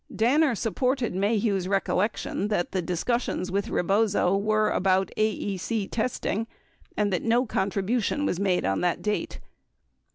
Danner supported Maheu's recollection that the discussions with Rebozo were about AEC testing and that no contribution was made on that date.